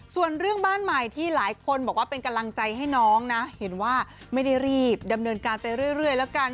ส่วนเรื่องบ้านใหม่ที่หลายคนบอกว่าเป็นกำลังใจให้น้องนะเห็นว่าไม่ได้รีบดำเนินการไปเรื่อยแล้วกัน